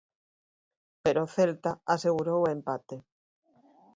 Pero o Celta asegurou o empate.